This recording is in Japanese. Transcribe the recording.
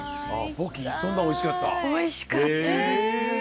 ポキ、おいしかったです。